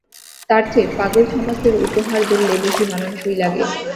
তারচে পাগল থমাসের উপহার বললে বেশি মানানসই লাগে।